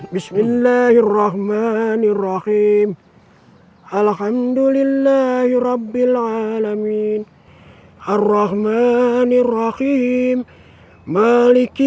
bismillahirrahmanirrahim alhamdulillahirobbilalamin arrahmanirrahim maliki